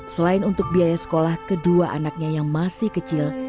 selain untuk biaya sekolah kedua anaknya yang masih kecil